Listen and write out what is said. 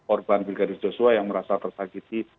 orban bilgaris joshua yang merasa tersakiti